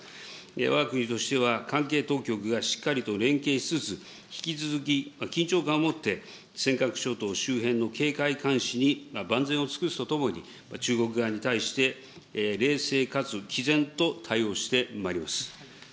わが国としては、関係当局がしっかりと連携しつつ、引き続き、緊張感を持って、尖閣諸島周辺の警戒監視に万全を尽くすとともに、中国側に対して冷静かつきぜんと対応してまいります。